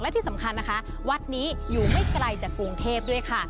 และที่สำคัญนะคะวัดนี้อยู่ไม่ไกลจากกรุงเทพด้วยค่ะ